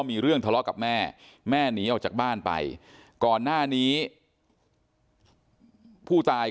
มีเรื่องทะเลาะกับแม่แม่หนีออกจากบ้านไปก่อนหน้านี้ผู้ตาย